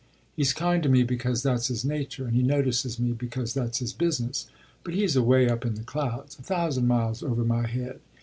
He's kind to me because that's his nature and he notices me because that's his business; but he's away up in the clouds a thousand miles over my head.